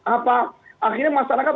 apa akhirnya masyarakat